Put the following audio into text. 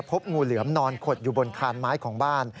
พบงูเหลือมนอนขดอยู่บนคานไม้ของบ้าน